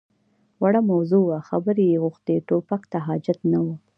_وړه موضوع وه، خبرې يې غوښتې. ټوپک ته حاجت نه و.